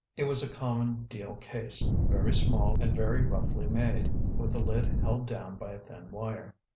It was a common deal case, very small and very roughly made, with the lid held down by a thin wire.